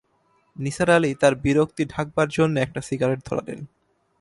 নিসার আলি তাঁর বিরক্তি ঢাকবার জন্যে একটা সিগারেট ধরালেন।